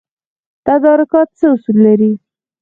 تدارکات څه اصول لري؟